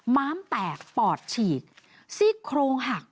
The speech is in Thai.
ม้ามแตกปอดฉีกซี่โครงหัก